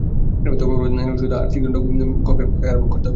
তবে অপরাধী নারী হলে শুধু আর্থিক দণ্ড হবে, কারাভোগ করতে হবে না।